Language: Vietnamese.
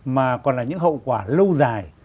mà còn là những hậu quả lâu dài